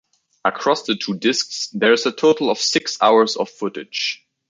Across the two discs, there is a total of six hours of footage.